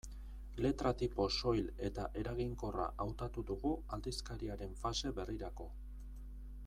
Letra-tipo soil eta eraginkorra hautatu dugu aldizkariaren fase berrirako.